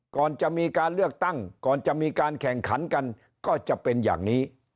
ก่อนจะมีการเลือกตั้งก่อนจะมีการแข่งขันกันก็จะเป็นอย่างนี้